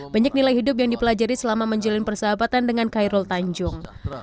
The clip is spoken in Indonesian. banyak nilai hidup yang dipelajari selama menjalin persahabatan dengan khairul tanjung